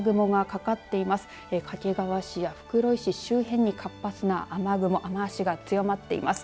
掛川市や袋井市周辺に活発な雨雲雨足が強まっています。